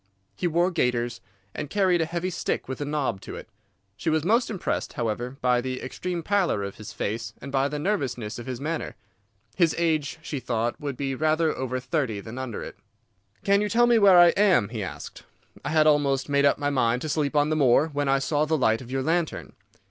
He wore gaiters, and carried a heavy stick with a knob to it. She was most impressed, however, by the extreme pallor of his face and by the nervousness of his manner. His age, she thought, would be rather over thirty than under it. "'Can you tell me where I am?' he asked. 'I had almost made up my mind to sleep on the moor, when I saw the light of your lantern.